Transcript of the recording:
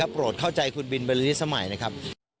โปรดเข้าใจคุณบินบรรลือฤทสมัยนะครับ